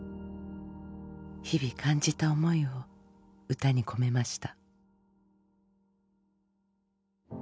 日々感じた思いを歌に込めました。